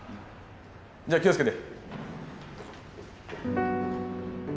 じゃあ気をつけて。